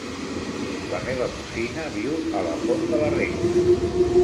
La meva cosina viu a la Font de la Reina.